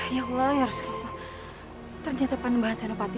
suara suara besar sekali